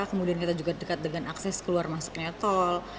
kemudian kita juga dekat dengan akses keluar masuknya tol